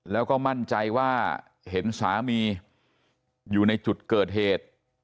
แล้วก็มั่นใจว่าเห็นสามีอยู่ในจุดเกิดเหตุ